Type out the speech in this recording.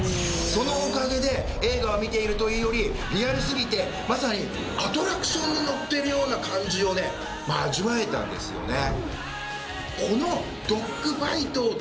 そのおかげで映画を見ているというよりリアルすぎてまさにアトラクションに乗っているような感じを味わえたんですよね。